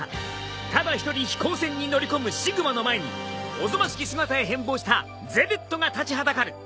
ただ一人飛行船に乗り込むシグマの前におぞましき姿へ変貌したゼベットが立ちはだかる。